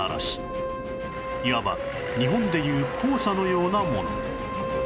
いわば日本で言う黄砂のようなもの